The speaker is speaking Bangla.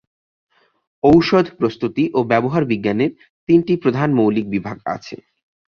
ঔষধ প্রস্তুতি ও ব্যবহার বিজ্ঞানের তিনটি প্রধান মৌলিক বিভাগ আছে।